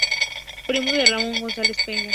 Primo de Ramón González Peña.